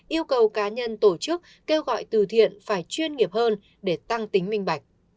yêu cầu cá nhân tổ chức kêu gọi từ thiện phải chuyên nghiệp hơn để tăng tính minh bạch